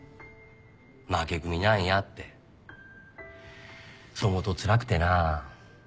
負け組なんやってそう思うとつらくてなあ。